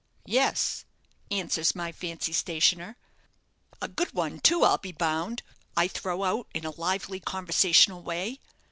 'Yes,' answers my fancy stationer. 'A good one, too, I'll be bound,' I throw out, in a lively, conversational way.